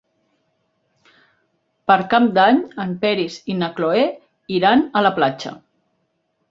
Per Cap d'Any en Peris i na Cloè iran a la platja.